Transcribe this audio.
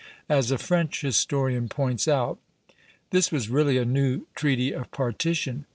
As a French historian points out: "This was really a new treaty of partition....